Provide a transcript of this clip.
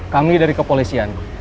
kami dari kepolisian